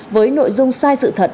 với nội dung sai sự thật